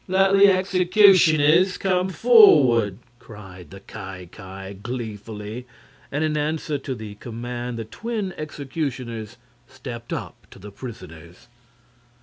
"Let the executioners come forward!" cried the Ki Ki, gleefully, and in answer to the command the twin executioners stepped up to the prisoners.